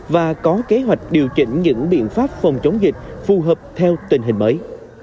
và có kế hoạch điều chỉnh những biện pháp phòng chống dịch phù hợp theo tình hình mới